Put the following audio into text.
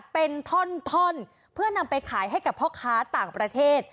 เป็นท่อนเพื่อนำไปขายให้กับพ่อค้าต่างประเทศ